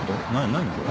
何これ？